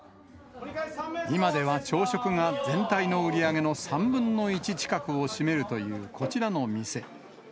今では朝食が全体の売り上げの３分の１近くを占めるという、こちらの店。